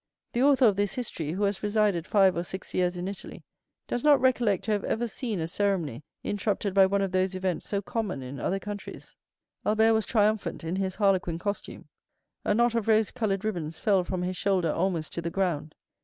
The author of this history, who has resided five or six years in Italy, does not recollect to have ever seen a ceremony interrupted by one of those events so common in other countries. Albert was triumphant in his harlequin costume. A knot of rose colored ribbons fell from his shoulder almost to the ground.